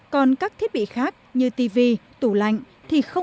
còn các thiết bị khác như tv tủ lạnh